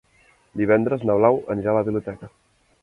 Divendres na Blau anirà a la biblioteca.